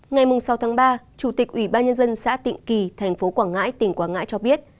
ngày sáu tháng ba chủ tịch ủy ban nhân dân xã tịnh kỳ thành phố quảng ngãi tỉnh quảng ngãi cho biết